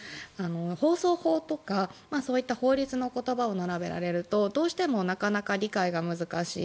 放送法とか、そういった法律の言葉を並べられるとどうしてもなかなか理解が難しい。